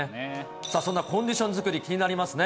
そんなコンディション作り、気になりますね。